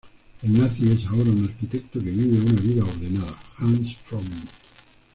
El nazi es ahora un arquitecto que vive una vida ordenada, Hans Fromm.